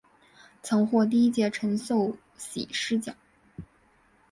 曾获第一届陈秀喜诗奖。